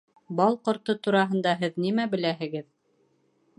Бал ҡорто тураһында һеҙ нимә беләһегеҙ?